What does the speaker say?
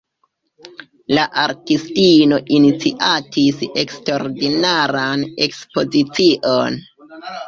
La artistino iniciatis eksterordinaran ekspozicion.